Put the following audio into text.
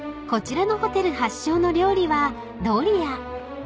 こちらのホテル発祥の料理はドリア］